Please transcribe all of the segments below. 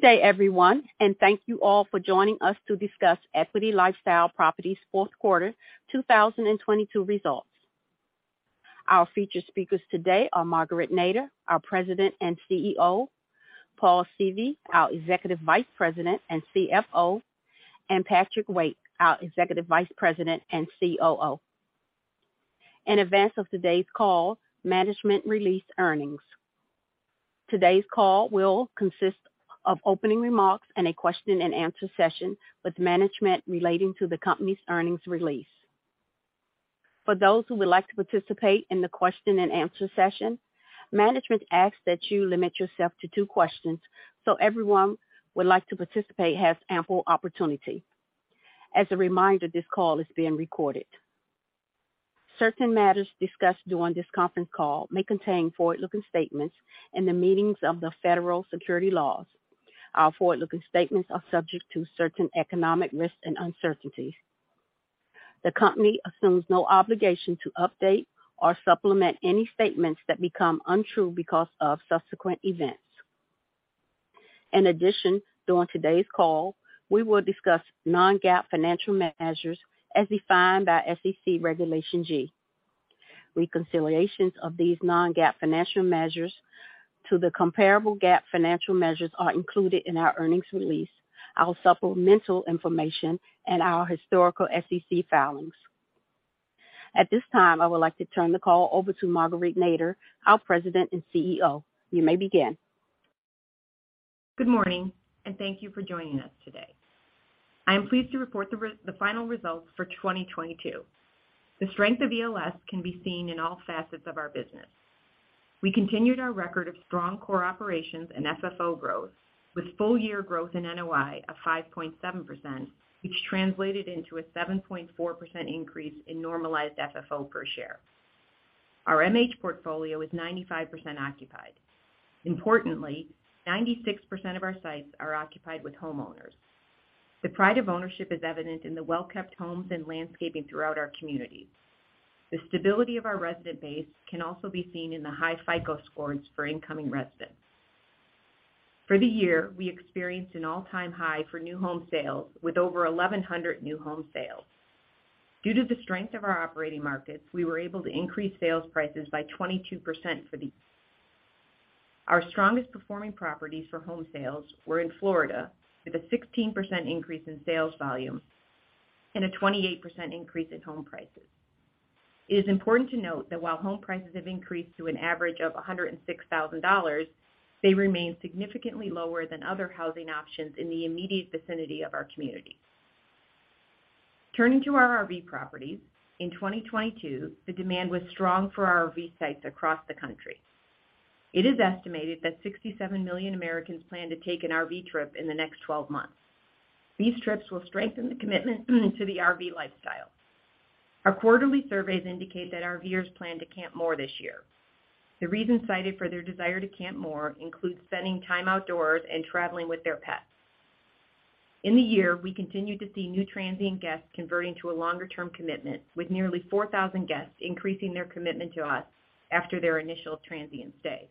Good day, everyone. Thank you all for joining us to discuss Equity LifeStyle Properties Fourth Quarter 2022 Results. Our featured speakers today are Marguerite Nader, our President and CEO, Paul Seavey, our Executive Vice President and CFO, and Patrick Waite, our Executive Vice President and COO. In advance of today's call, management released earnings. Today's call will consist of opening remarks and a question-and-answer session with management relating to the company's earnings release. For those who would like to participate in the question-and-answer session, management asks that you limit yourself to two questions so everyone would like to participate has ample opportunity. As a reminder, this call is being recorded. Certain matters discussed during this conference call may contain forward-looking statements in the meetings of the Federal Securities Laws. The company assumes no obligation to update or supplement any statements that become untrue because of subsequent events. In addition, during today's call, we will discuss non-GAAP financial measures as defined by SEC Regulation G. Reconciliations of these non-GAAP financial measures to the comparable GAAP financial measures are included in our earnings release, our supplemental information, and our historical SEC filings. At this time, I would like to turn the call over to Marguerite Nader, our President and CEO. You may begin. Good morning and thank you for joining us today. I am pleased to report the final results for 2022. The strength of ELS can be seen in all facets of our business. We continued our record of strong core operations and FFO growth with full-year growth in NOI of 5.7%, which translated into a 7.4% increase in normalized FFO per share. Our MH portfolio is 95% occupied. Importantly, 96% of our sites are occupied with homeowners. The pride of ownership is evident in the well-kept homes and landscaping throughout our communities. The stability of our resident base can also be seen in the high FICO scores for incoming residents. For the year, we experienced an all-time high for new home sales with over 1,100 new home sales. Due to the strength of our operating markets, we were able to increase sales prices by 22% for the. Our strongest performing properties for home sales were in Florida, with a 16% increase in sales volume and a 28% increase in home prices. It is important to note that while home prices have increased to an average of $106,000, they remain significantly lower than other housing options in the immediate vicinity of our community. Turning to our RV properties. In 2022, the demand was strong for our RV sites across the country. It is estimated that 67 million Americans plan to take an RV trip in the next 12 months. These trips will strengthen the commitment to the RV lifestyle. Our quarterly surveys indicate that RVers plan to camp more this year. The reason cited for their desire to camp more includes spending time outdoors and traveling with their pets. In the year, we continued to see new transient guests converting to a longer-term commitment, with nearly 4,000 guests increasing their commitment to us after their initial transient stay.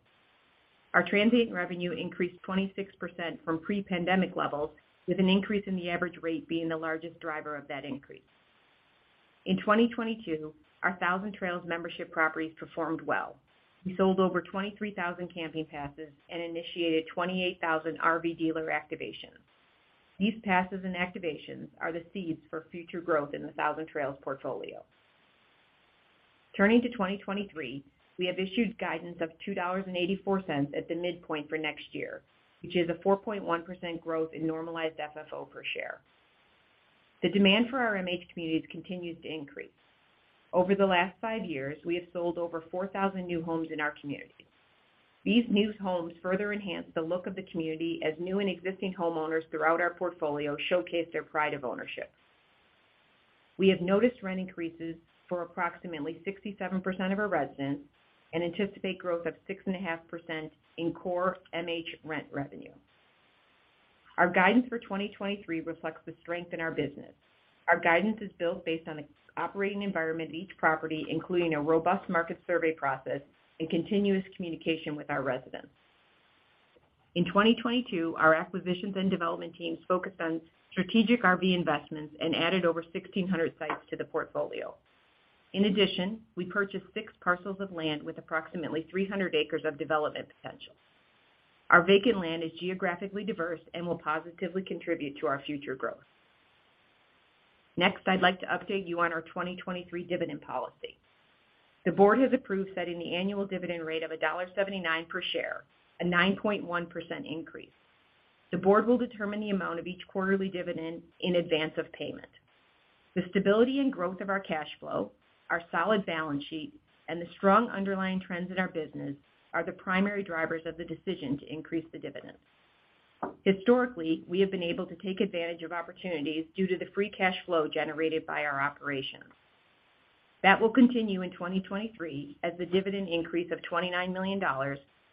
Our transient revenue increased 26% from pre-pandemic levels, with an increase in the average rate being the largest driver of that increase. In 2022, our Thousand Trails membership properties performed well. We sold over 23,000 camping passes and initiated 28,000 RV dealer activations. These passes and activations are the seeds for future growth in the Thousand Trails portfolio. Turning to 2023, we have issued guidance of $2.84 at the midpoint for next year, which is a 4.1% growth in normalized FFO per share. The demand for our MH communities continues to increase. Over the last five years, we have sold over 4,000 new homes in our communities. These new homes further enhance the look of the community as new and existing homeowners throughout our portfolio showcase their pride of ownership. We have noticed rent increases for approximately 67% of our residents and anticipate growth of 6.5% in core MH rent revenue. Our guidance for 2023 reflects the strength in our business. Our guidance is built based on the operating environment of each property, including a robust market survey process and continuous communication with our residents. In 2022, our acquisitions and development teams focused on strategic RV investments and added over 1,600 sites to the portfolio. We purchased six parcels of land with approximately 300 acres of development potential. Our vacant land is geographically diverse and will positively contribute to our future growth. Next, I'd like to update you on our 2023 dividend policy. The board has approved setting the annual dividend rate of $1.79 per share, a 9.1% increase. The board will determine the amount of each quarterly dividend in advance of payment. The stability and growth of our cash flow, our solid balance sheet, and the strong underlying trends in our business are the primary drivers of the decision to increase the dividend. Historically, we have been able to take advantage of opportunities due to the free cash flow generated by our operations. That will continue in 2023 as the dividend increase of $29 million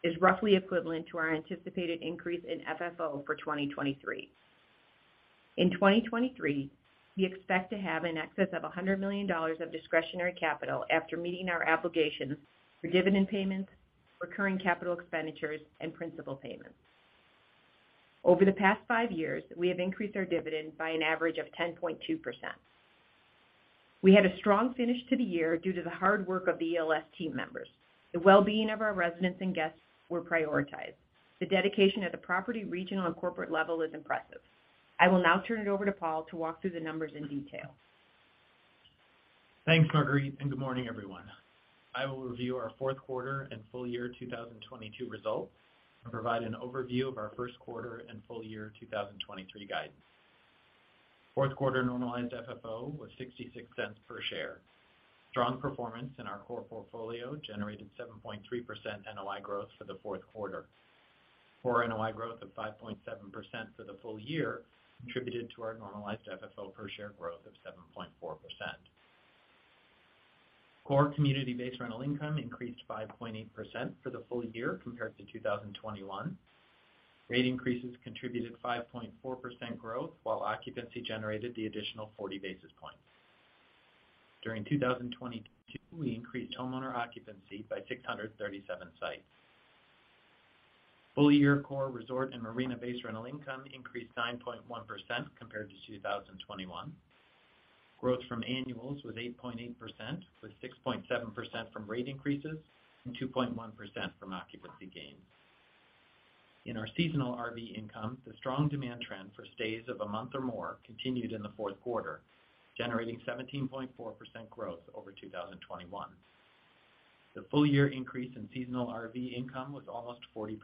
is roughly equivalent to our anticipated increase in FFO for 2023. In 2023, we expect to have in excess of $100 million of discretionary capital after meeting our obligations for dividend payments, recurring capital expenditures, and principal payments. Over the past five years, we have increased our dividend by an average of 10.2%. We had a strong finish to the year due to the hard work of the ELS team members. The well-being of our residents and guests were prioritized. The dedication at the property, regional, and corporate level is impressive. I will now turn it over to Paul to walk through the numbers in detail. Thanks Marguerite and good morning everyone I will review our fourth quarter and full year 2022 results and provide an overview of our first quarter and full year 2023 guidance. Fourth quarter normalized FFO was $0.66 per share. Strong performance in our core portfolio generated 7.3% NOI growth for the fourth quarter. Core NOI growth of 5.7% for the full year contributed to our normalized FFO per share growth of 7.4%. Core community-based rental income increased 5.8% for the full year compared to 2021. Rate increases contributed 5.4% growth while occupancy generated the additional 40 basis points. During 2022, we increased homeowner occupancy by 637 sites. Full year core resort and marina-based rental income increased 9.1% compared to 2021. Growth from annuals was 8.8%, with 6.7% from rate increases and 2.1% from occupancy gains. In our seasonal RV income, the strong demand trend for stays of a month or more continued in the fourth quarter, generating 17.4% growth over 2021. The full year increase in seasonal RV income was almost 40%.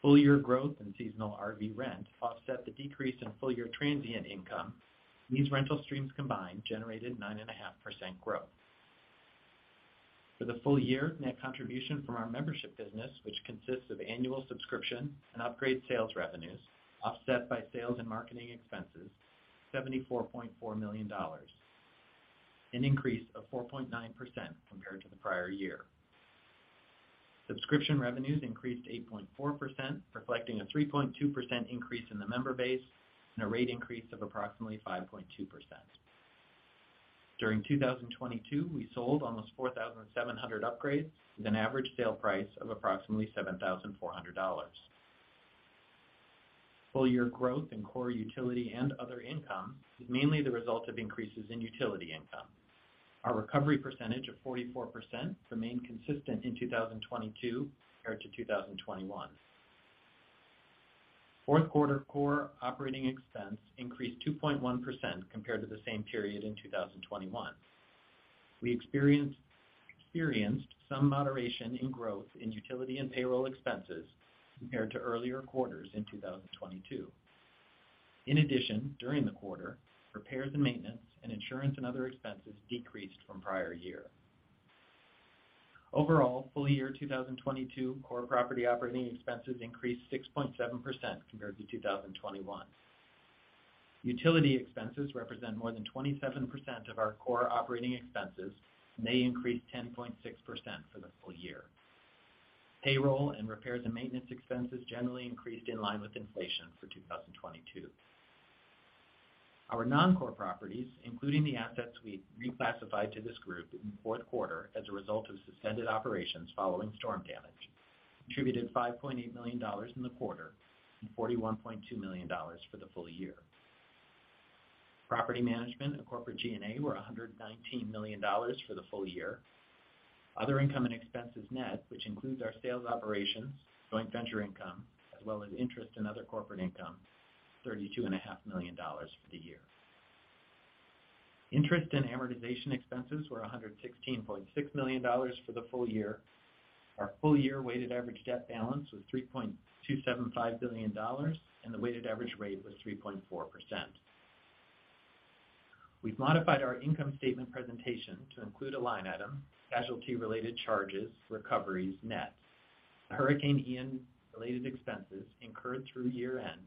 Full year growth in seasonal RV rent offset the decrease in full year transient income. These rental streams combined generated 9.5% growth. For the full year, net contribution from our membership business, which consists of annual subscription and upgrade sales revenues, offset by sales and marketing expenses, $74.4 million, an increase of 4.9% compared to the prior year. Subscription revenues increased 8.4%, reflecting a 3.2% increase in the member base and a rate increase of approximately 5.2%. During 2022, we sold almost 4,700 upgrades with an average sale price of approximately $7,400. Full year growth in core utility and other income is mainly the result of increases in utility income. Our recovery percentage of 44% remained consistent in 2022 compared to 2021. Fourth quarter core operating expense increased 2.1% compared to the same period in 2021. We experienced some moderation in growth in utility and payroll expenses compared to earlier quarters in 2022. In addition, during the quarter, repairs and maintenance and insurance and other expenses decreased from prior year. Overall full year 2022 core property operating expenses increased 6.7% compared to 2021. Utility expenses represent more than 27% of our core operating expenses and they increased 10.6% for the full year. Payroll and repairs and maintenance expenses generally increased in line with inflation for 2022. Our non-core properties, including the assets we reclassified to this group in fourth quarter as a result of suspended operations following storm damage, contributed $5.8 million in the quarter and $41.2 million for the full year. Property management and corporate G&A were $119 million for the full year. Other income and expenses net, which includes our sales operations, joint venture income, as well as interest and other corporate income, $32.5 million For the year. Interest and amortization expenses were $116.6 million for the full year. Our full year weighted average debt balance was $3.275 billion, and the weighted average rate was 3.4%. We've modified our income statement presentation to include a line item, casualty related charges, recoveries net. The Hurricane Ian related expenses incurred through year end,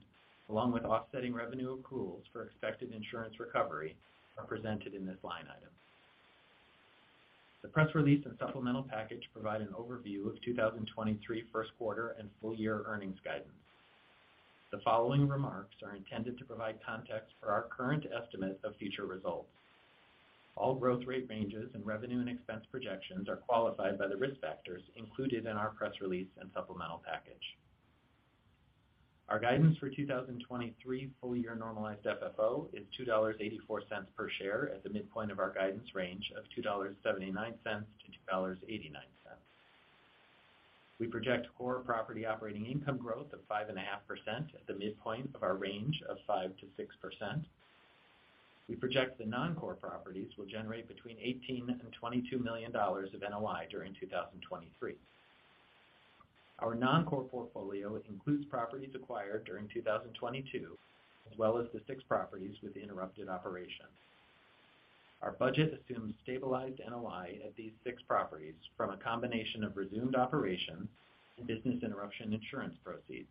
along with offsetting revenue accruals for expected insurance recovery, are presented in this line item. The press release and supplemental package provide an overview of 2023 first quarter and full year earnings guidance. The following remarks are intended to provide context for our current estimate of future results. All growth rate ranges and revenue and expense projections are qualified by the risk factors included in our press release and supplemental package. Our guidance for 2023 full year normalized FFO is $2.84 per share at the midpoint of our guidance range of $2.79-$2.89. We project core property operating income growth of 5.5% at the midpoint of our range of 5%-6%. We project the non-core properties will generate between $18 million-$22 million of NOI during 2023. Our non-core portfolio includes properties acquired during 2022, as well as the six properties with interrupted operations. Our budget assumes stabilized NOI at these six properties from a combination of resumed operations and business interruption insurance proceeds.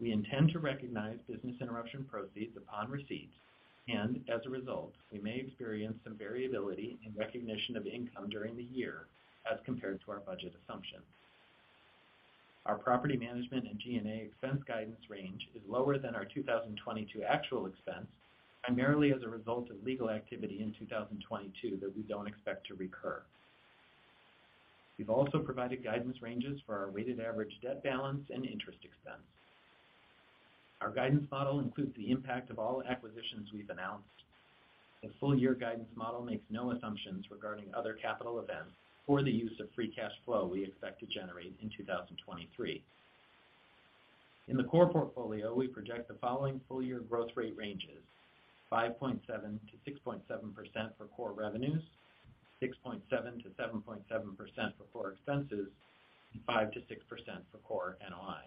We intend to recognize business interruption proceeds upon receipt, and as a result, we may experience some variability in recognition of income during the year as compared to our budget assumptions. Our property management and G&A expense guidance range is lower than our 2022 actual expense, primarily as a result of legal activity in 2022 that we don't expect to recur. We've also provided guidance ranges for our weighted average debt balance and interest expense. Our guidance model includes the impact of all acquisitions we've announced. The full year guidance model makes no assumptions regarding other capital events or the use of free cash flow we expect to generate in 2023. In the core portfolio, we project the following full year growth rate ranges: 5.7%-6.7% for core revenues, 6.7%-7.7% for core expenses, and 5%-6% for core NOI.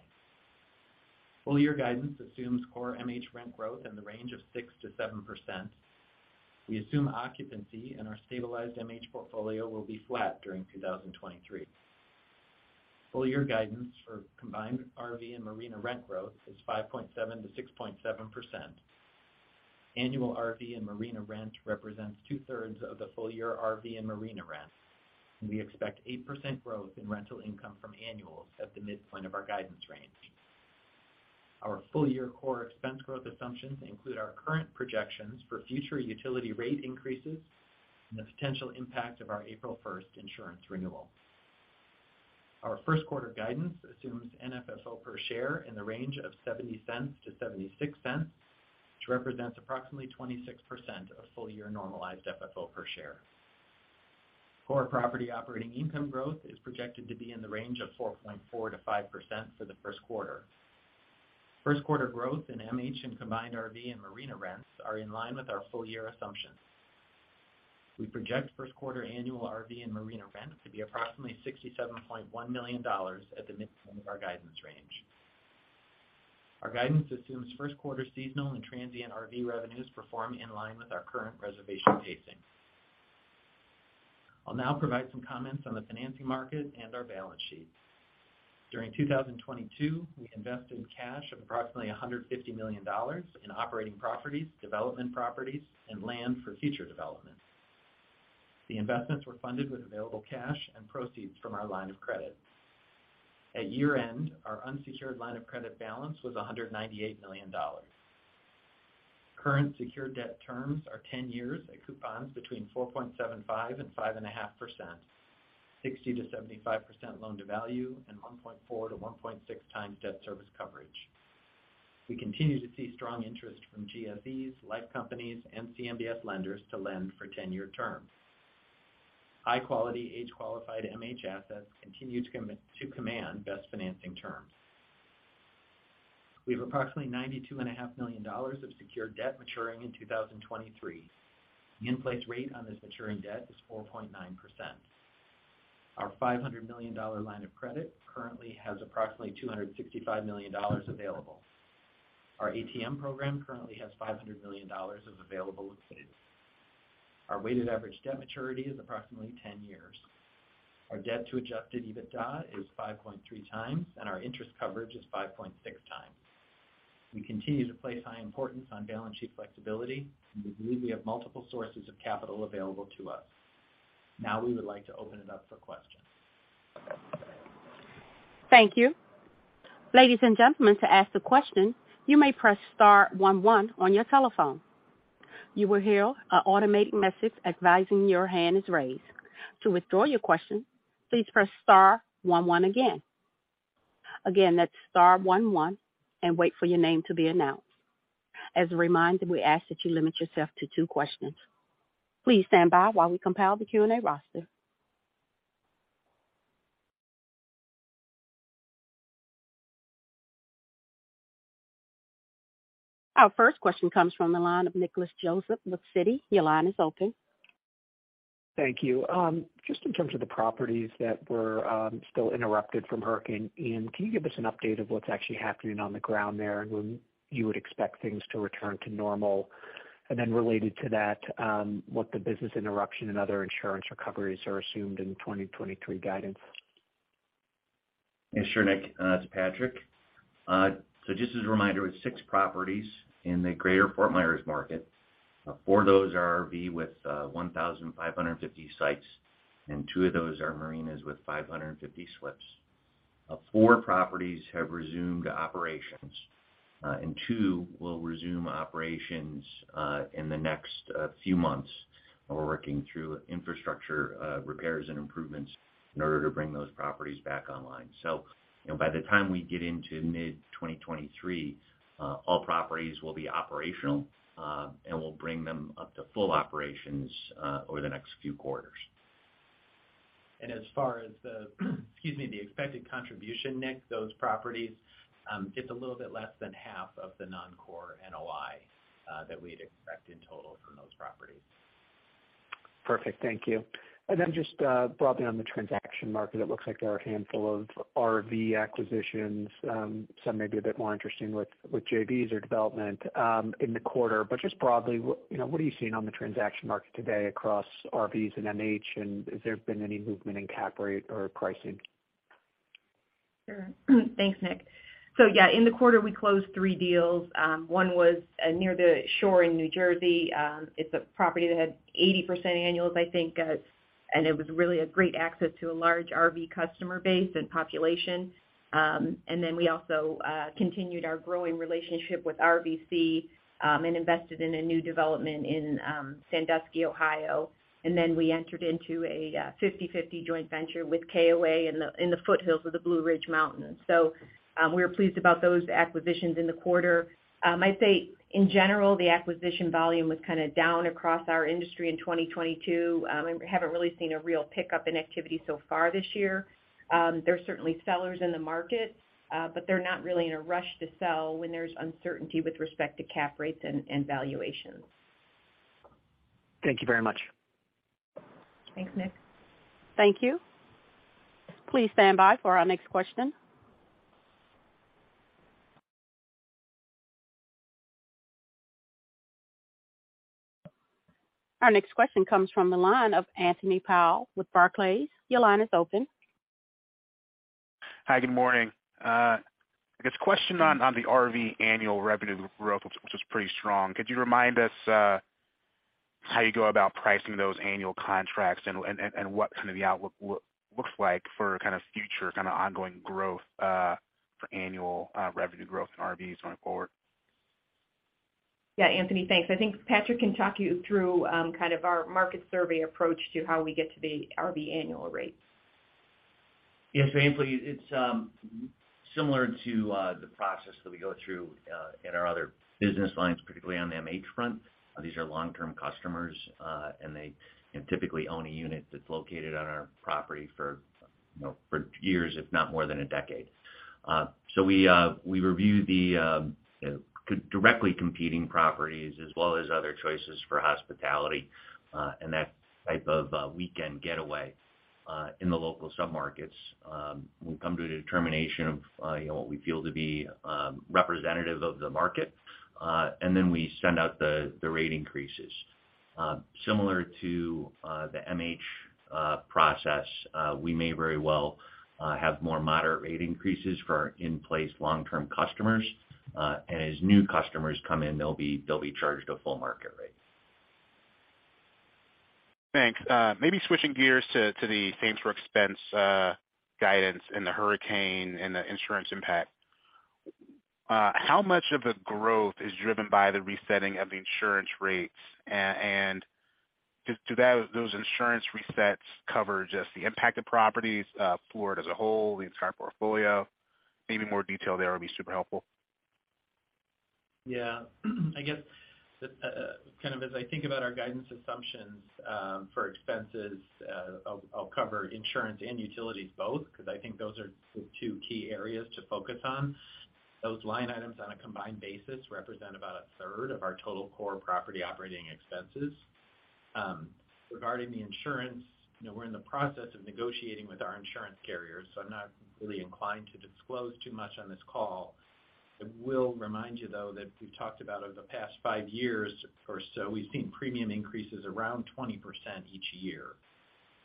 Full year guidance assumes core MH rent growth in the range of 6%-7%. We assume occupancy in our stabilized MH portfolio will be flat during 2023. Full year guidance for combined RV and marina rent growth is 5.7%-6.7%. Annual RV and marina rent represents two-thirds of the full year RV and marina rent, and we expect 8% growth in rental income from annuals at the midpoint of our guidance range. Our full year core expense growth assumptions include our current projections for future utility rate increases and the potential impact of our April 1st insurance renewal. Our first quarter guidance assumes NFFO per share in the range of $0.70-$0.76, which represents approximately 26% of full year normalized FFO per share. Core property operating income growth is projected to be in the range of 4.4%-5% for the first quarter. First quarter growth in MH and combined RV and marina rents are in line with our full year assumptions. We project first quarter annual RV and marina rent to be approximately $67.1 million at the midpoint of our guidance range. Our guidance assumes first quarter seasonal and transient RV revenues perform in line with our current reservation pacing. I'll now provide some comments on the financing market and our balance sheet. During 2022, we invested cash of approximately $150 million in operating properties, development properties, and land for future development. The investments were funded with available cash and proceeds from our line of credit. At year-end, our unsecured line of credit balance was $198 million. Current secured debt terms are 10 years at coupons between 4.75% and 5.5%, 60%-75% loan-to-value, and 1.4x-1.6x debt service coverage. We continue to see strong interest from GSEs, life companies, and CMBS lenders to lend for 10-year terms. High quality, age-qualified MH assets continue to command best financing terms. We have approximately $92.5 million of secured debt maturing in 2023. The in-place rate on this maturing debt is 4.9%. Our $500 million line of credit currently has approximately $265 million available. Our ATM program currently has $500 million of available liquidity. Our weighted average debt maturity is approximately 10 years. Our debt to adjusted EBITDA is 5.3x, and our interest coverage is 5.6x. We continue to place high importance on balance sheet flexibility, and we believe we have multiple sources of capital available to us. We would like to open it up for questions. Thank you. Ladies and gentlemen, to ask a question, you may press star one one on your telephone. You will hear an automated message advising your hand is raised. To withdraw your question, please press star one one again. Again, that's star one one and wait for your name to be announced. As a reminder, we ask that you limit yourself to two questions. Please stand by while we compile the Q&A roster. Our first question comes from the line of Nick Joseph, Citi. Your line is open. Thank you. Just in terms of the properties that were still interrupted from Hurricane Ian, can you give us an update of what's actually happening on the ground there, and when you would expect things to return to normal? Then related to that, what the business interruption and other insurance recoveries are assumed in the 2023 guidance. Yeah sure Nick it's Patrick just as a reminder, we have six properties in the greater Fort Myers market. Four of those are RV with 1,550 sites, and two of those are marinas with 550 slips. Four properties have resumed operations, and two will resume operations in the next few months while we're working through infrastructure repairs and improvements in order to bring those properties back online. You know, by the time we get into mid-2023, all properties will be operational, and we'll bring them up to full operations over the next few quarters. As far as the, excuse me, the expected contribution, Nick, those properties, it's a little bit less than half of the non-core NOI that we'd expect in total from those properties. Perfect. Thank you. Then just broadly on the transaction market, it looks like there are a handful of RV acquisitions, some may be a bit more interesting with JVs or development in the quarter. Just broadly, what, you know, what are you seeing on the transaction market today across RVs and MH, and has there been any movement in cap rate or pricing? Sure thanks Nick yeah in the quarter we closed three deals. One was near the shore in New Jersey. It's a property that had 80% annuals, I think. And it was really a great access to a large RV customer base and population. We also continued our growing relationship with RVC and invested in a new development in Sandusky, Ohio. We entered into a 50/50 joint venture with KOA in the foothills of the Blue Ridge Mountains. We were pleased about those acquisitions in the quarter. I'd say, in general, the acquisition volume was kind of down across our industry in 2022. We haven't really seen a real pickup in activity so far this year. There are certainly sellers in the market, but they're not really in a rush to sell when there's uncertainty with respect to cap rates and valuations. Thank you very much. Thanks Nick. Thank you. Please stand by for our next question. Our next question comes from the line of Anthony Powell with Barclays. Your line is open. Hi good morning I guess question on the RV annual revenue growth, which was pretty strong. Could you remind us how you go about pricing those annual contracts and what some of the outlook looks like for kind of future ongoing growth for annual revenue growth in RVs going forward? Yeah Anthony thanks I think Patrick can talk you through kind of our market survey approach to how we get to the RV annual rates. Yes Anthony it's similar to the process that we go through in our other business lines, particularly on the MH front. These are long-term customers, and they can typically own a unit that's located on our property for, you know, for years, if not more than a decade. We review the directly competing properties as well as other choices for hospitality, and that type of weekend getaway in the local submarkets. We've come to a determination of, you know, what we feel to be representative of the market, and then we send out the rate increases. Similar to the MH process, we may very well have more moderate rate increases for our in-place long-term customers. As new customers come in, they'll be charged a full market rate. Thanks. Maybe switching gears to the same-store expense guidance and the hurricane and the insurance impact. How much of the growth is driven by the resetting of the insurance rates? Do those insurance resets cover just the impacted properties, Florida as a whole, the entire portfolio? Maybe more detail there would be super helpful. Yeah. I guess, kind of as I think about our guidance assumptions, for expenses, I'll cover insurance and utilities both, because I think those are the two key areas to focus on. Those line items on a combined basis represent about a third of our total core property operating expenses. Regarding the insurance, you know, we're in the process of negotiating with our insurance carriers, so I'm not really inclined to disclose too much on this call. I will remind you, though, that we've talked about over the past five years or so, we've seen premium increases around 20% each year.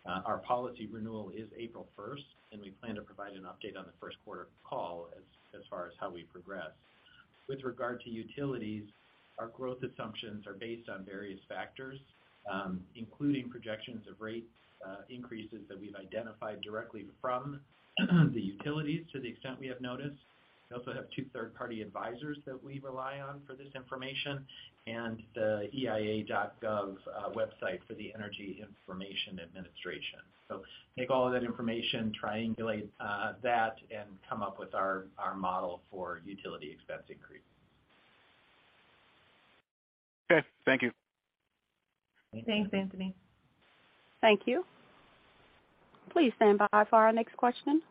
Our policy renewal is April 1st, and we plan to provide an update on the first quarter call as far as how we progress. With regard to utilities, our growth assumptions are based on various factors, including projections of rate increases that we've identified directly from the utilities to the extent we have noticed. We also have two third-party advisors that we rely on for this information and the eia.gov website for the Energy Information Administration. Take all of that information, triangulate that, and come up with our model for utility expense increase. Okay. Thank you. Thanks Anthony. Thank you. Please stand by for our next question.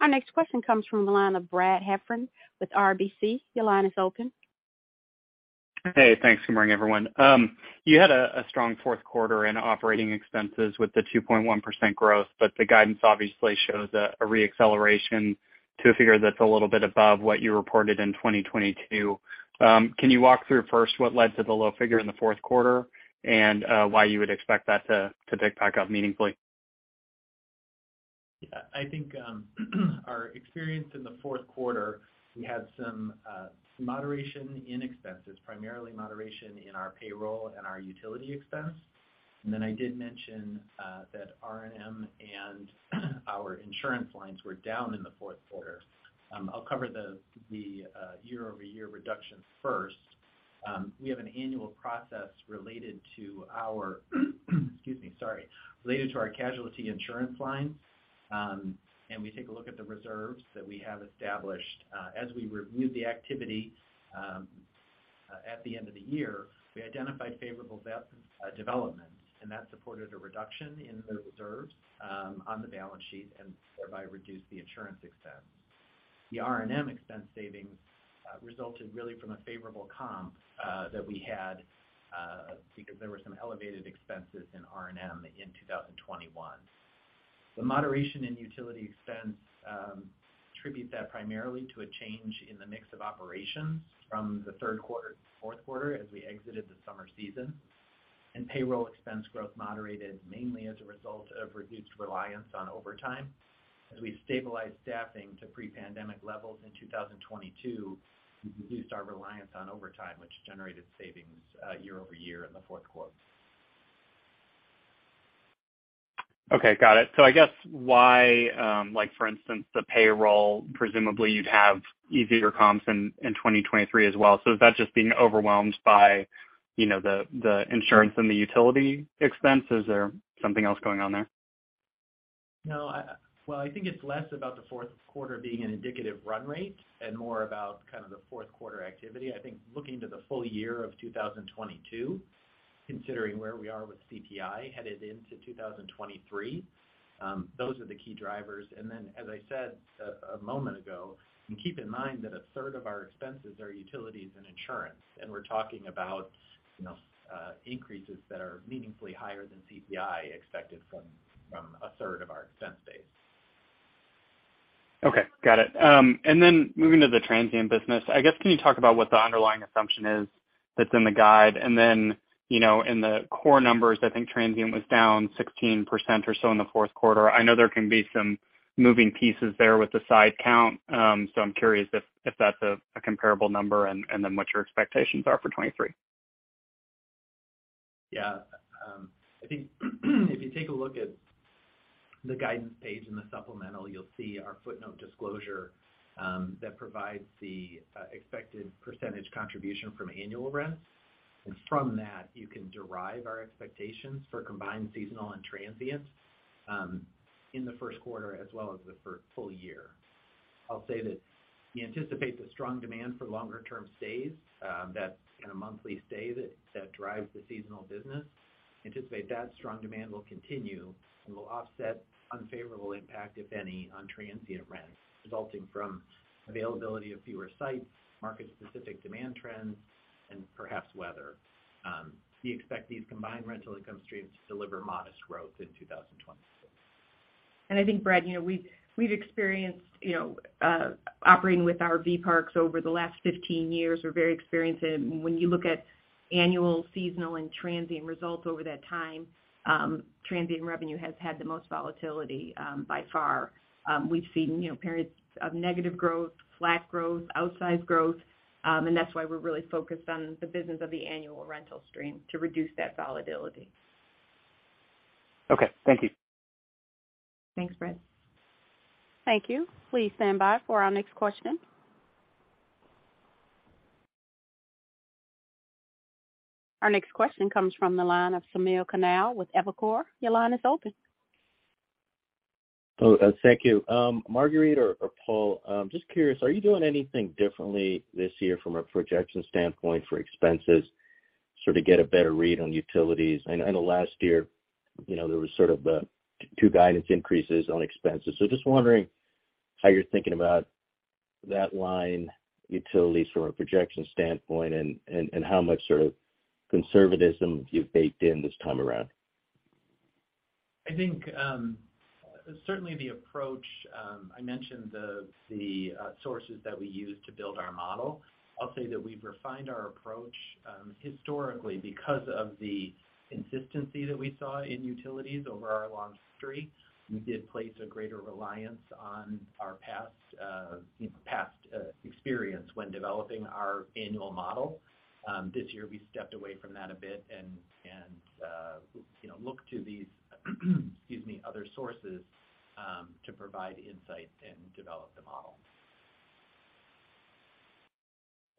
Our next question comes from the line of Brad Heffern with RBC. Your line is open. Hey thanks good morning everyone you had a strong fourth quarter in operating expenses with the 2.1% growth, but the guidance obviously shows a reacceleration to a figure that's a little bit above what you reported in 2022. Can you walk through first what led to the low figure in the fourth quarter and why you would expect that to pick back up meaningfully? I think, our experience in the fourth quarter, we had some moderation in expenses, primarily moderation in our payroll and our utility expense. Then I did mention that R&M and our insurance lines were down in the fourth quarter. I'll cover the year-over-year reduction first. We have an annual process related to our, excuse me, sorry, related to our casualty insurance line. We take a look at the reserves that we have established. As we reviewed the activity at the end of the year, we identified favorable development, and that supported a reduction in the reserves on the balance sheet and thereby reduced the insurance expense. The R&M expense savings resulted really from a favorable comp that we had because there were some elevated expenses in R&M in 2021. The moderation in utility expense, attribute that primarily to a change in the mix of operations from the third quarter to fourth quarter as we exited the summer season. Payroll expense growth moderated mainly as a result of reduced reliance on overtime. As we stabilized staffing to pre-pandemic levels in 2022, we reduced our reliance on overtime, which generated savings year-over-year in the fourth quarter. Okay got it I guess why, like for instance, the payroll, presumably you'd have easier comps in 2023 as well. Is that just being overwhelmed by, you know, the insurance and the utility expense? Is there something else going on there? No, Well, I think it's less about the fourth quarter being an indicative run rate and more about kind of the fourth quarter activity. I think looking to the full year of 2022, considering where we are with CPI headed into 2023, those are the key drivers. Then, as I said a moment ago, and keep in mind that a third of our expenses are utilities and insurance, and we're talking about, you know, increases that are meaningfully higher than CPI expected from a third of our expense base. Okay got it moving to the transient business, I guess, can you talk about what the underlying assumption is that's in the guide? You know, in the core numbers, I think transient was down 16% or so in the fourth quarter. I know there can be some moving pieces there with the site count, so I'm curious if that's a comparable number and then what your expectations are for 2023. Yeah. I think if you take a look at the guidance page in the supplemental, you'll see our footnote disclosure that provides the expected percentage contribution from annual rents. From that, you can derive our expectations for combined seasonal and transient in the first quarter as well as the full year. I'll say that we anticipate the strong demand for longer term stays, that's in a monthly stay that drives the seasonal business. Anticipate that strong demand will continue and will offset unfavorable impact, if any, on transient rents resulting from availability of fewer sites, market specific demand trends, and perhaps weather. We expect these combined rental income streams to deliver modest growth in 2023. I think Brad you know, we've experienced, you know, operating with RV parks over the last 15 years, we're very experienced in it. When you look at annual, seasonal, and transient results over that time, transient revenue has had the most volatility, by far. We've seen, you know, periods of negative growth, flat growth, outsized growth, and that's why we're really focused on the business of the annual rental stream to reduce that volatility. Okay, thank you. Thanks Brad. Thank you. Please stand by for our next question. Our next question comes from the line of Samir Khanal with Evercore. Your line is open. Thank you. Marguerite or Paul, just curious, are you doing anything differently this year from a projection standpoint for expenses, sort of get a better read on utilities? I know last year, you know, there was sort of two guidance increases on expenses. Just wondering how you're thinking about that line, utilities from a projection standpoint and how much sort of conservatism you've baked in this time around. I think, certainly the approach, I mentioned the sources that we use to build our model. I'll say that we've refined our approach historically because of the consistency that we saw in utilities over our long history. We did place a greater reliance on our past experience when developing our annual model. This year we stepped away from that a bit and, you know, looked to these excuse me, other sources to provide insight and develop the model.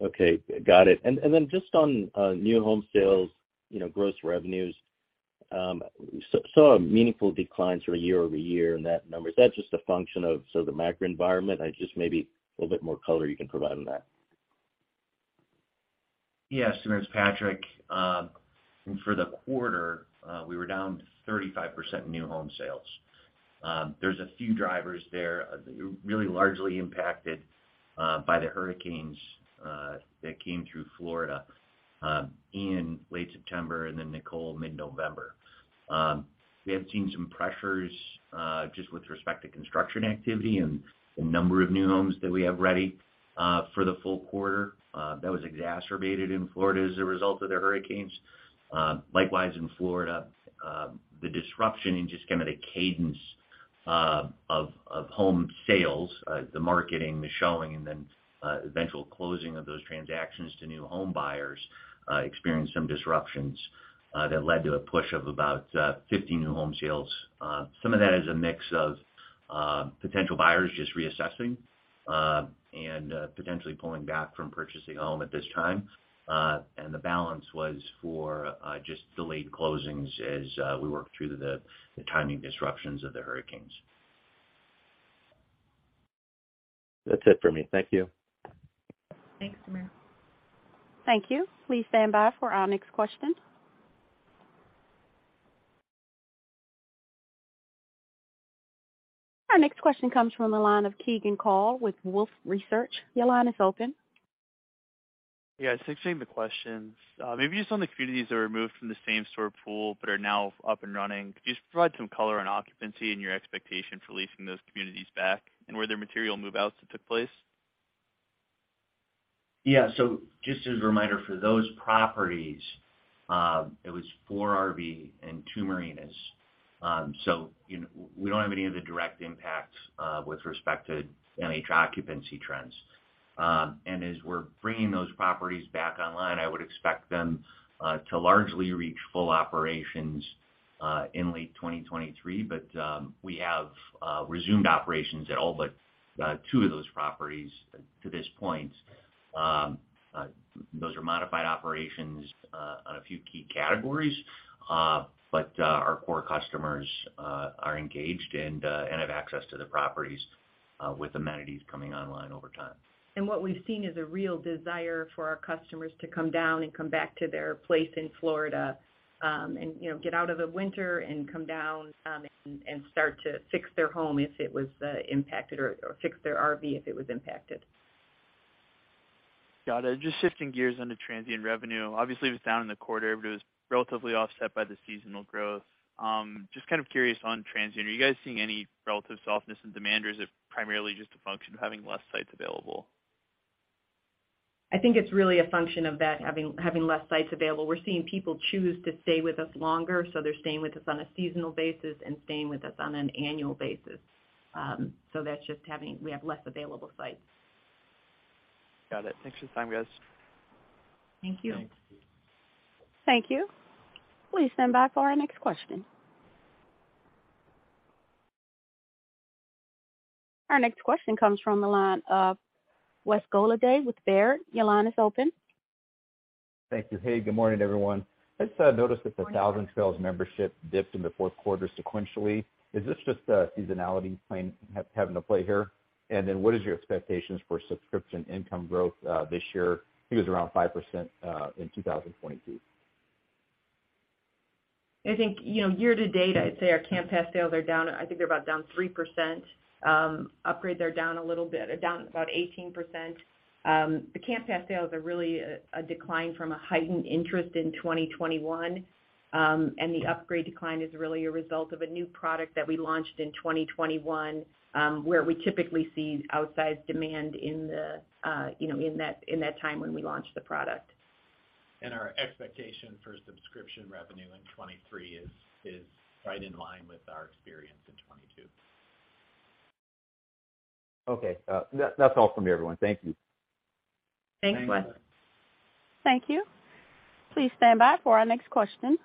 Okay, got it. Just on new home sales, you know, gross revenues, saw a meaningful decline sort of year-over-year in that number. Is that just a function of some of the macro environment? I just maybe a little bit more color you can provide on that. Yes Sameer it's Patrick for the quarter, we were down 35% in new home sales. There's a few drivers there, really largely impacted by the hurricanes that came through Florida in late September and then Nicole mid-November. We have seen some pressures just with respect to construction activity and the number of new homes that we have ready for the full quarter, that was exacerbated in Florida as a result of the hurricanes. Likewise in Florida, the disruption in just kind of the cadence of home sales, the marketing, the showing, and then eventual closing of those transactions to new home buyers, experienced some disruptions that led to a push of about 50 new home sales. Some of that is a mix of potential buyers just reassessing and potentially pulling back from purchasing a home at this time. The balance was for just delayed closings as we work through the timing disruptions of the hurricanes. That's it for me. Thank you. Thanks Sameer. Thank you. Please stand by for our next question. Our next question comes from the line of Keegan Carl with Wolfe Research. Your line is open. Thanks for taking the questions. Maybe just on the communities that were moved from the same-store pool but are now up and running. Could you just provide some color on occupancy and your expectation for leasing those communities back and were there material move outs that took place? Yeah. Just as a reminder, for those properties, it was four RV and two marinas. You know, we don't have any of the direct impacts with respect to any occupancy trends. As we're bringing those properties back online, I would expect them to largely reach full operations in late 2023. We have resumed operations at all but 2 of those properties to this point. Those are modified operations on a few key categories. Our core customers are engaged and have access to the properties with amenities coming online over time. What we've seen is a real desire for our customers to come down and come back to their place in Florida, and, you know, get out of the winter and come down, and start to fix their home if it was impacted or fix their RV if it was impacted. Got it just shifting gears on the transient revenue. Obviously, it was down in the quarter, but it was relatively offset by the seasonal growth. Just kind of curious on transient, are you guys seeing any relative softness in demand, or is it primarily just a function of having less sites available? I think it's really a function of that having less sites available. We're seeing people choose to stay with us longer, so they're staying with us on a seasonal basis and staying with us on an annual basis. That's just we have less available sites. Got it. Thanks for the time, guys. Thank you. Thanks. Thank you. Please stand by for our next question. Our next question comes from the line of West Golladay with Baird. Your line is open. Thank you hey good morning everyone I just noticed that the Thousand Trails membership dipped in the fourth quarter sequentially. Is this just a seasonality having to play here? What is your expectations for subscription income growth this year? I think it was around 5% in 2022. I think, you know, year to date, I'd say our camp pass sales are down. I think they're about down 3%. Upgrade, they're down a little bit. They're down about 18%. The camp pass sales are really a decline from a heightened interest in 2021. The upgrade decline is really a result of a new product that we launched in 2021, where we typically see outsized demand in the, you know, in that, in that time when we launched the product. Our expectation for subscription revenue in 2023 is right in line with our experience in 2022. Okay. That's all from me, everyone. Thank you. Thanks West. Thanks. Thank you. Please stand by for our next question.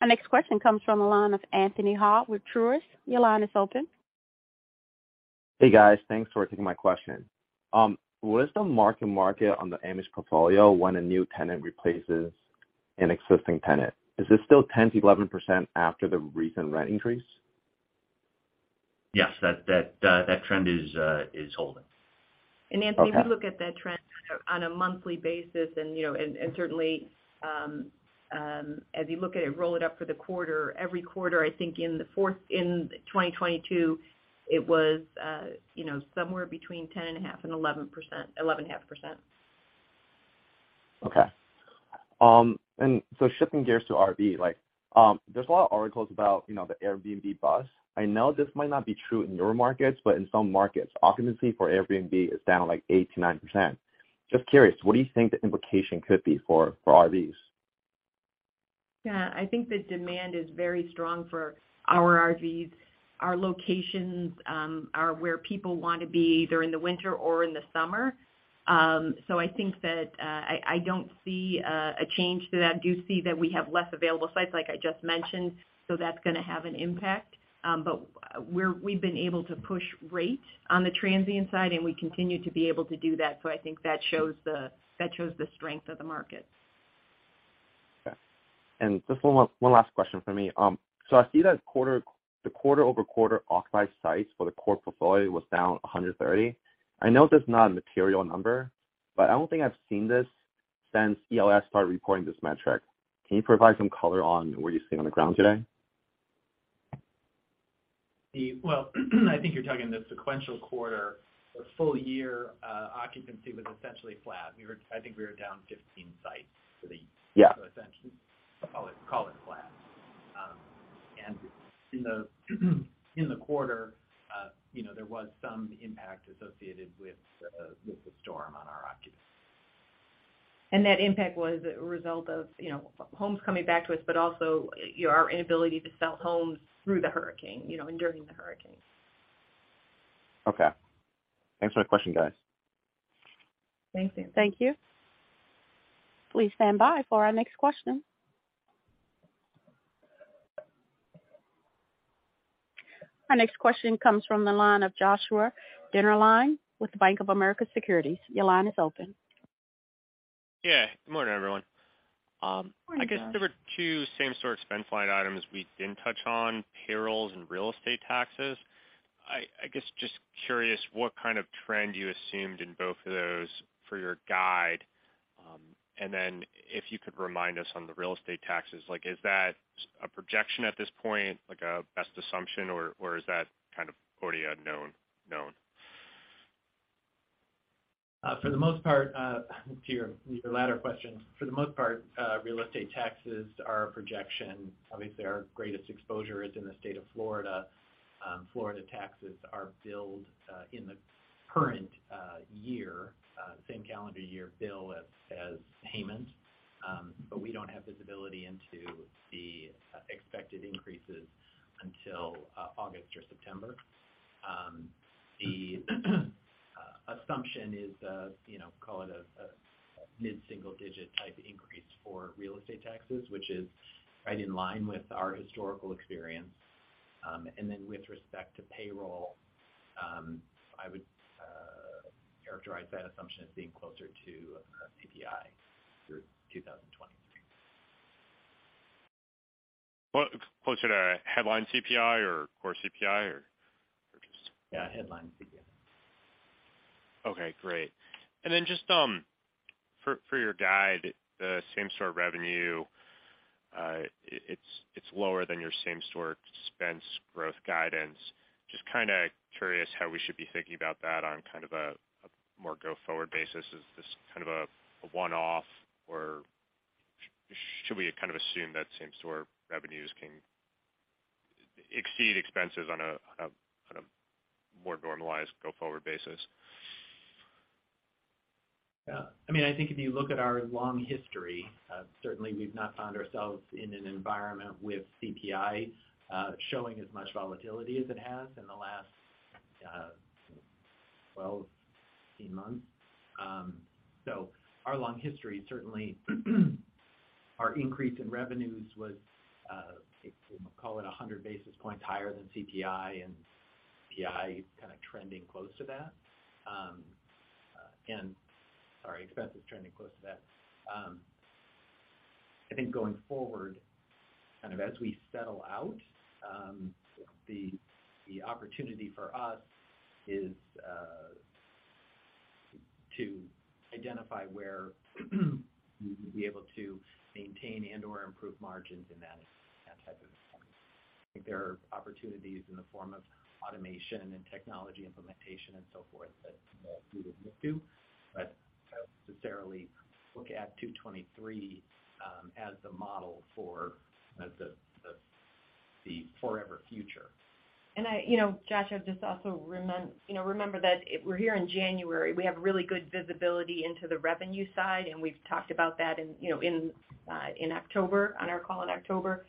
Our next question comes from the line of Anthony Hau with Truist. Your line is open. Hey guys thanks for taking my question. What is the mark-to-market on the Amish portfolio when a new tenant replaces an existing tenant? Is this still 10%-11% after the recent rent increase? Yes. That trend is holding. Anthony, we look at that trend on a monthly basis. You know, certainly, as you look at it, roll it up for the quarter, every quarter, I think in 2022, it was, you know, somewhere between 10.5% and 11.5%. Okay. Shifting gears to RV, like, there's a lot of articles about, you know, the Airbnb bust. I know this might not be true in your markets, but in some markets, occupancy for Airbnb is down, like, 8%-9%. Just curious, what do you think the implication could be for RVs? Yeah. I think the demand is very strong for our RVs. Our locations are where people want to be, either in the winter or in the summer. I think that I don't see a change to that. I do see that we have less available sites, like I just mentioned, so that's going to have an impact. We've been able to push rate on the transient side, and we continue to be able to do that. I think that shows the strength of the market. Okay. Just one last question for me. I see that the quarter-over-quarter occupied sites for the core portfolio was down 130. I know this is not a material number, but I don't think I've seen this since ELS started reporting this metric. Can you provide some color on what you're seeing on the ground today? Well, I think you're talking the sequential quarter. The full year, occupancy was essentially flat. I think we were down 15 sites. Yeah. Essentially, call it flat. In the quarter, you know, there was some impact associated with the storm on our occupancy. That impact was a result of, you know, homes coming back to us, but also our inability to sell homes through the hurricane, you know, and during the hurricane. Okay. Thanks for the question, guys. Thanks Anthony. Thank you. Please stand by for our next question. Our next question comes from the line of Joshua Dennerlein with Bank of America Securities. Your line is open. Yeah good morning everyone. Morning Josh. I guess there were two same-store spend line items we didn't touch on, payrolls and real estate taxes. I guess just curious what kind of trend you assumed in both of those for your guide. Then if you could remind us on the real estate taxes, like is that a projection at this point, like a best assumption, or is that kind of already known? For the most part, to your latter question. For the most part, real estate taxes are a projection. Obviously, our greatest exposure is in the state of Florida. Florida taxes are billed in the current year, same calendar year bill as payment. We don't have visibility into the expected increases until August or September. The assumption is, you know, call it a mid-single digit type increase for real estate taxes, which is right in line with our historical experience. With respect to payroll, I would characterize that assumption as being closer to CPI through 2023. Closer to headline CPI or core CPI or just... Yeah, headline CPI. Okay, great. Then just for your guide, the same-store revenue, it's lower than your same-store expense growth guidance. Just kind of curious how we should be thinking about that on kind of a more go-forward basis. Is this kind of a one-off, or should we kind of assume that same-store revenues can exceed expenses on a more normalized go-forward basis? I mean, I think if you look at our long history, certainly we've not found ourselves in an environment with CPI showing as much volatility as it has in the last 12, 18 months. Our long history, certainly, our increase in revenues was call it 100 basis points higher than CPI and CPI kind of trending close to that. Sorry, expenses trending close to that. I think going forward, kind of as we settle out, the opportunity for us is to identify where we would be able to maintain and/or improve margins in that type of environment. I think there are opportunities in the form of automation and technology implementation and so forth that we'll look to, but I don't necessarily look at 2023 as the model for the forever future. I, you know Josh I'd just also remember that we're here in January. We have really good visibility into the revenue side, and we've talked about that in, you know, in October, on our call in October.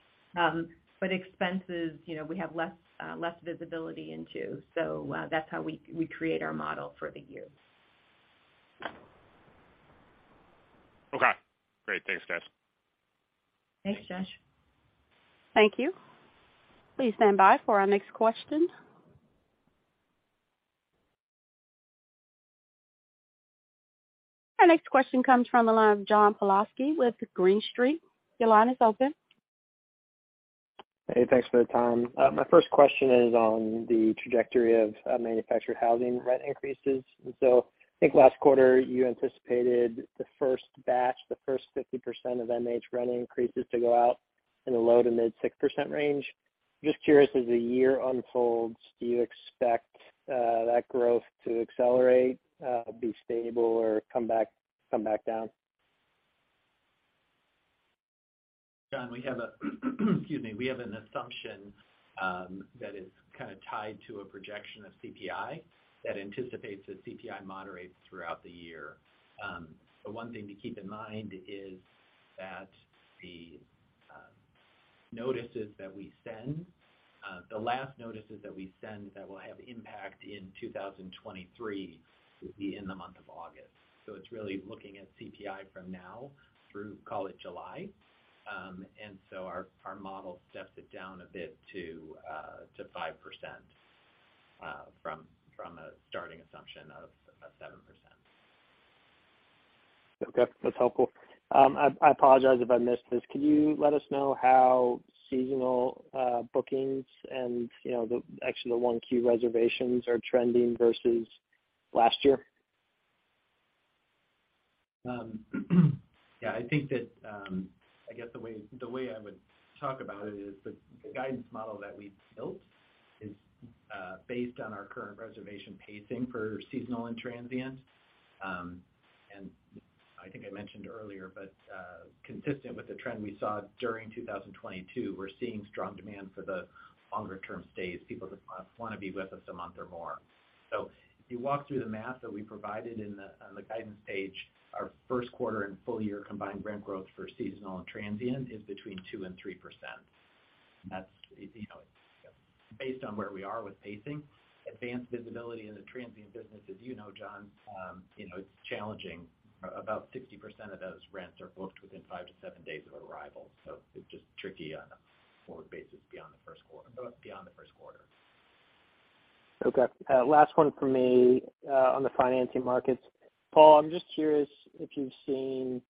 Expenses, you know, we have less, less visibility into. That's how we create our model for the year. Okay, great. Thanks, guys. Thanks Josh. Thank you. Please stand by for our next question. Our next question comes from the line of John Pawlowski with Green Street. Your line is open. Hey thanks for the time. My first question is on the trajectory of manufactured housing rent increases. I think last quarter you anticipated the first batch, the first 50% of MH rent increases to go out in the low to mid 6% range. Just curious, as the year unfolds, do you expect that growth to accelerate, be stable or come back down? John, we have an assumption that is kind of tied to a projection of CPI that anticipates that CPI moderates throughout the year. One thing to keep in mind is that the notices that we send, the last notices that we send that will have impact in 2023 will be in the month of August. It's really looking at CPI from now through, call it July. Our model steps it down a bit to 5% from a starting assumption of 7%. Okay, that's helpful. I apologize if I missed this. Could you let us know how seasonal bookings and, you know, actually the one key reservations are trending versus last year? Yeah, I think that, I guess the way, the way I would talk about it is the guidance model that we've built is based on our current reservation pacing for seasonal and transient. I think I mentioned earlier, but consistent with the trend we saw during 2022, we're seeing strong demand for the longer term stays. People that want to be with us a month or more. If you walk through the math that we provided on the guidance page, our first quarter and full year combined rent growth for seasonal and transient is between 2% and 3%. That's, you know, based on where we are with pacing. Advanced visibility in the transient business, as you know, John, you know, it's challenging. About 60% of those rents are booked within five to seven days of arrival. It's just tricky on a forward basis beyond the first quarter. Okay. Last one for me, on the financing markets. Paul, I'm just curious if you've seen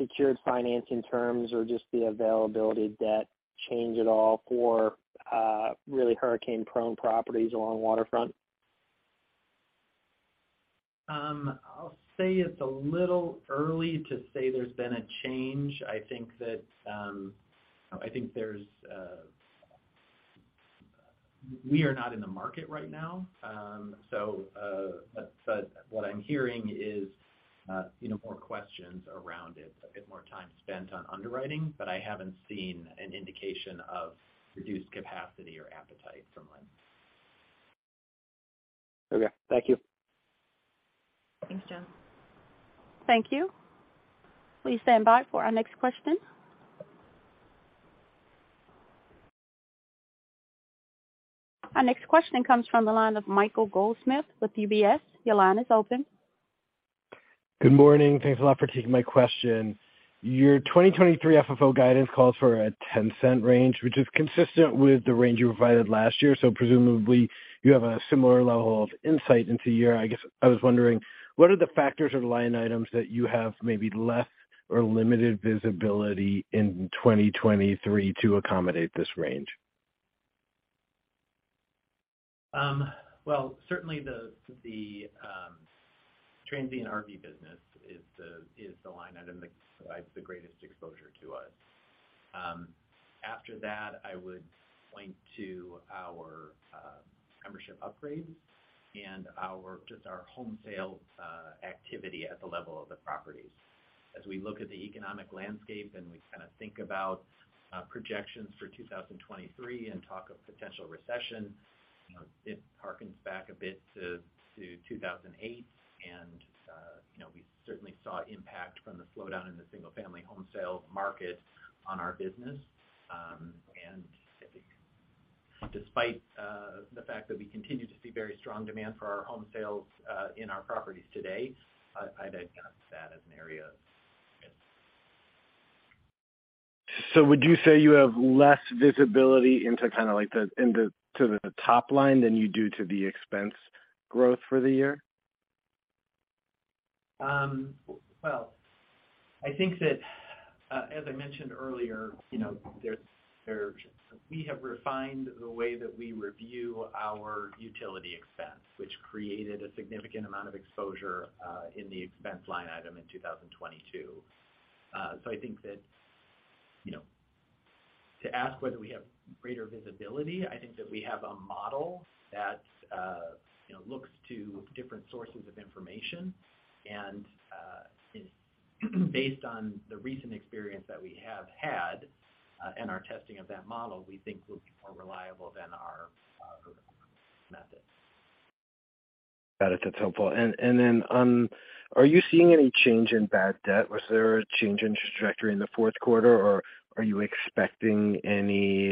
secured financing terms or just the availability of debt change at all for, really hurricane-prone properties along waterfront? I'll say it's a little early to say there's been a change. I think that... I think there's... We are not in the market right now, so, but what I'm hearing is, you know, more questions around it, a bit more time spent on underwriting, but I haven't seen an indication of reduced capacity or appetite from lenders. Okay thank you. Thanks John. Thank you. Please stand by for our next question. Our next question comes from the line of Michael Goldsmith with UBS. Your line is open. Good morning thanks a lot for taking my question. Your 2023 FFO guidance calls for a $0.10 range, which is consistent with the range you provided last year. Presumably, you have a similar level of insight into your. I guess I was wondering, what are the factors or line items that you have maybe less or limited visibility in 2023 to accommodate this range? Well, certainly the transient RV business is the, is the line item that provides the greatest exposure to us. After that, I would point to our membership upgrades and our, just our home sale activity at the level of the properties. As we look at the economic landscape, and we kinda think about projections for 2023 and talk of potential recession, you know, it harkens back a bit to 2008. You know, we certainly saw impact from the slowdown in the single-family home sale market on our business. Despite the fact that we continue to see very strong demand for our home sales in our properties today, I'd count that as an area. Would you say you have less visibility into kind of like to the top line than you do to the expense growth for the year? Well, I think that, as I mentioned earlier, you know, we have refined the way that we review our utility expense, which created a significant amount of exposure in the expense line item in 2022. I think that, you know, to ask whether we have greater visibility, I think that we have a model that, you know, looks to different sources of information. Based on the recent experience that we have had, and our testing of that model, we think will be more reliable than our method. Got it. That's helpful. Are you seeing any change in bad debt? Was there a change in trajectory in the fourth quarter, or are you expecting any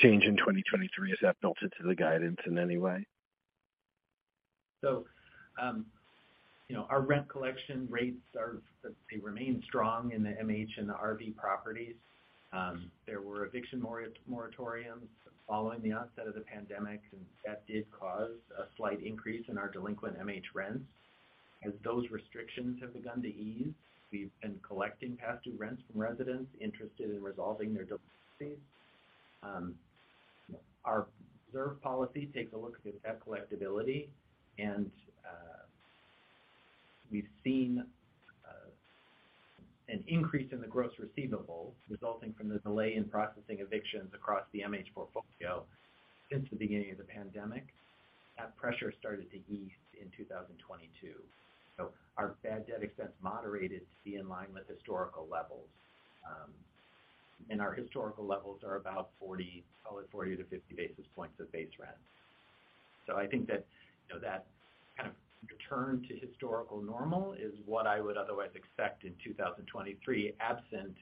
change in 2023? Is that built into the guidance in any way? You know, our rent collection rates are, they remain strong in the MH and the RV properties. There were eviction moratoriums following the onset of the pandemic, and that did cause a slight increase in our delinquent MH rents. As those restrictions have begun to ease, we've been collecting past due rents from residents interested in resolving their delinquencies. Our reserve policy takes a look at collectibility, and we've seen an increase in the gross receivables resulting from the delay in processing evictions across the MH portfolio since the beginning of the pandemic. That pressure started to ease in 2022. Our bad debt expense moderated to be in line with historical levels. And our historical levels are about 40, call it 40 basis points-50 basis points of base rent. I think that, you know, that kind of return to historical normal is what I would otherwise expect in 2023, absent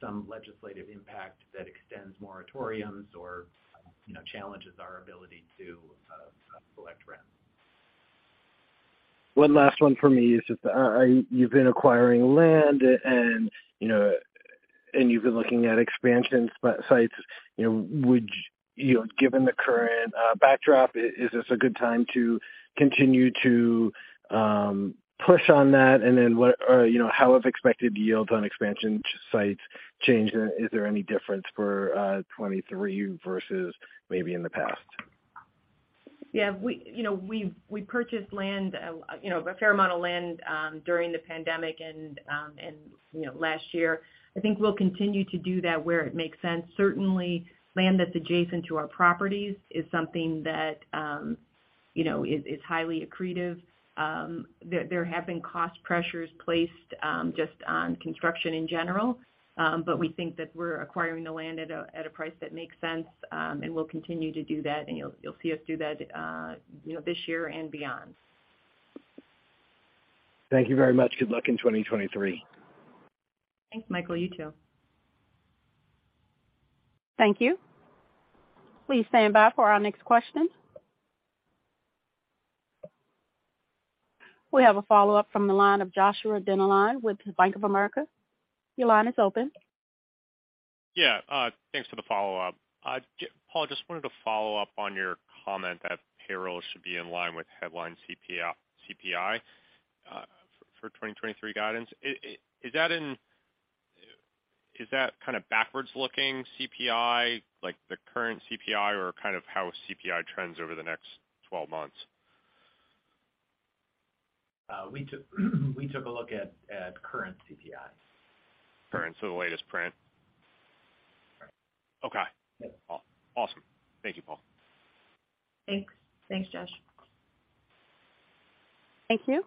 some legislative impact that extends moratoriums or, you know, challenges our ability to collect rent. One last one for me is just, you've been acquiring land and, you know, and you've been looking at expansion sites. You know, given the current backdrop, is this a good time to continue to push on that? What... or, you know, how have expected yields on expansion sites changed, and is there any difference for 2023 versus maybe in the past? Yeah, we, you know, we purchased land, you know, a fair amount of land, during the pandemic and, you know, last year. I think we'll continue to do that where it makes sense. Certainly, land that's adjacent to our properties is something that, you know, is highly accretive. There have been cost pressures placed, just on construction in general. We think that we're acquiring the land at a price that makes sense, and we'll continue to do that. You'll see us do that, you know, this year and beyond. Thank you very much. Good luck in 2023. Thanks Michael. You too. Thank you. Please stand by for our next question. We have a follow-up from the line of Joshua Dennerlein with Bank of America. Your line is open. Yeah. Thanks for the follow-up. Paul, just wanted to follow up on your comment that payroll should be in line with headline CPI for 2023 guidance. Is that kinda backwards-looking CPI, like the current CPI, or kind of how CPI trends over the next twelve months? We took a look at current CPI. Current so the latest print? Correct. Okay. Yeah. Awesome. Thank you Paul. Thanks. Thanks Josh. Thank you.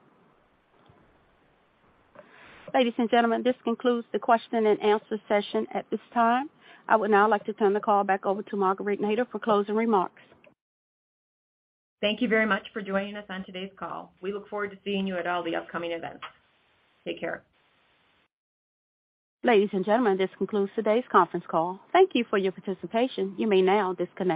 Ladies and gentlemen, this concludes the question and answer session at this time. I would now like to turn the call back over to Marguerite Nader for closing remarks. Thank you very much for joining us on today's call. We look forward to seeing you at all the upcoming events. Take care. Ladies and gentlemen, this concludes today's conference call. Thank you for your participation. You may now disconnect.